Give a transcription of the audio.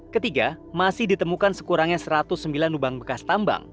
ketiga masih ditemukan sekurangnya satu ratus sembilan lubang bekas tambang